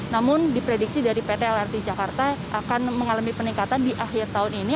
namun diprediksi dari pt lrt jakarta akan mengalami peningkatan di akhir tahun ini